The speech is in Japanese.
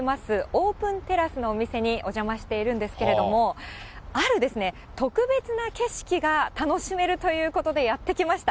オープンテラスのお店にお邪魔しているんですけども、ある特別な景色が楽しめるということで、やって来ました。